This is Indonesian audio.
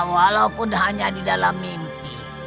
walaupun hanya didalam mimpi